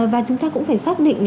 và chúng ta cũng phải xác định